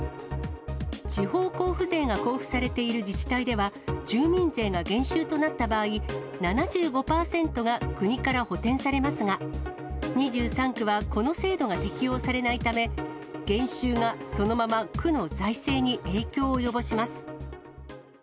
地方交付税が交付されている自治体では、住民税が減収となった場合、７５％が国から補填されますが、２３区はこの制度が適用されないため、減収がそのまま区の財政に影響を及ぼします。